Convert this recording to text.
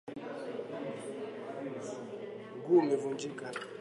Mguu umevunjika.